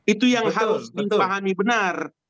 itu yang harus dipahami benar